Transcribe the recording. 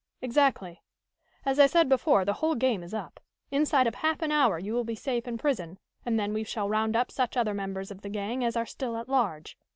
"Exactly. As I said before, the whole game is up. Inside of half an hour you will be safe in prison, and then we shall round up such other members of the gang as are still at large.